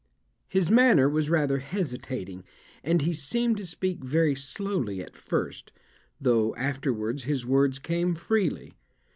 His manner was rather hesitating, and he seemed to speak very slowly at first, though afterwards his words came freely.